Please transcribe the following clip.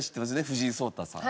藤井聡太さん。